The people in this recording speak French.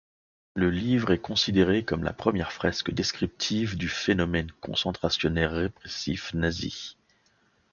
Le livre est considéré comme la première fresque descriptive du phénomène concentrationnaire répressif nazi.